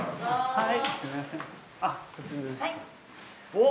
はい。